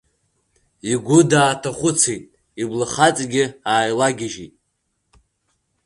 Игәы дааҭахәыцит, иблахаҵгьы ааилагьежьит.